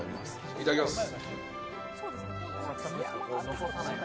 いただきます。